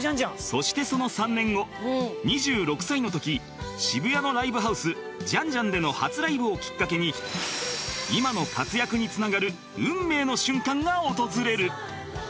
そしてその３年後２６歳の時渋谷のライブハウスジァン・ジァンでの初ライブをきっかけに今の活躍につながる運命の瞬間が訪れる